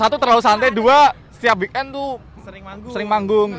satu terlalu santai dua setiap weekend tuh sering manggung